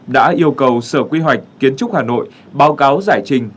đã yêu cầu sở quy hoạch kiến trúc hà nội báo cáo giải trình